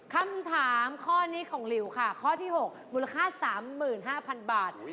คำถามข้อนี้ของหลิวค่ะข้อที่๖มูลค่า๓๕๐๐๐บาท